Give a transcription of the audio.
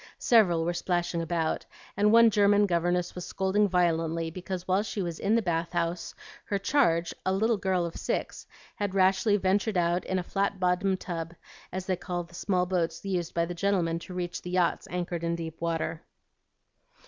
Several were splashing about, and one German governess was scolding violently because while she was in the bath house her charge, a little girl of six, had rashly ventured out in a flat bottomed tub, as they called the small boats used by the gentlemen to reach the yachts anchored in deep water.